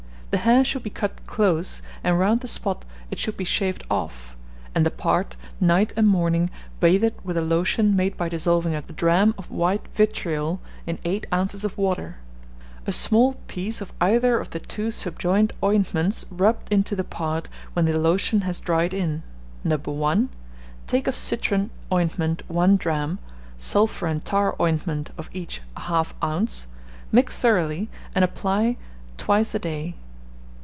The hair should be cut close, and round the spot it should be shaved off, and the part, night and morning, bathed with a lotion made by dissolving a drachm of white vitriol in 8 oz. of water. A small piece of either of the two subjoined ointments rubbed into the part when the lotion has dried in. No, 1. Take of citron ointment 1 drachm; sulphur and tar ointment, of each 1/2 oz.: mix thoroughly, and apply twice a day.